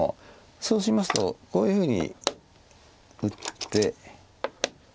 そうしますとこういうふうに打って。